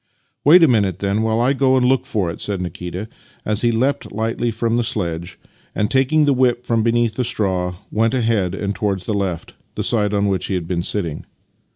" Wait a minute, then, while I go and look for it," said Nikita as he leapt lightly from the sledge and, taking the whip from beneath the straw, went ahead and towards the left — the side on which he had been sitting.